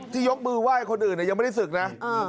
ที่ยกมือว่ายคนอื่นอ่ะยังไม่ได้ศึกนะ